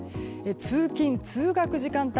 通勤・通学時間帯